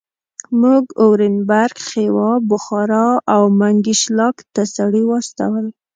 موږ اورینبرګ، خیوا، بخارا او منګیشلاک ته سړي واستول.